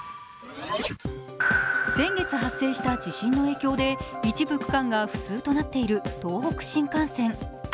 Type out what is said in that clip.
先月発生した地震の影響で一部区間が不通となっている東北新幹線。